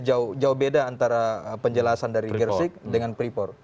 jauh beda antara penjelasan dari gersik dengan freeport